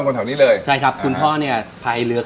สวัสดีครับคุณฮอล์ดสวัสดีครับ